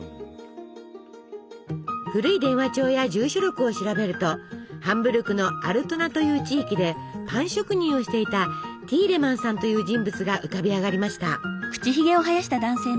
古い電話帳や住所録を調べるとハンブルクのアルトナという地域でパン職人をしていたティーレマンさんという人物が浮かび上がりました。